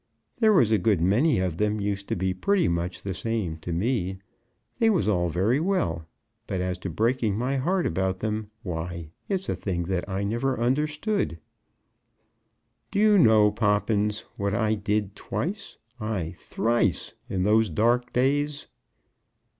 "There was a good many of them used to be pretty much the same to me. They was all very well; but as to breaking my heart about them, why, it's a thing that I never understood." "Do you know, Poppins, what I did twice, ay, thrice, in those dark days?"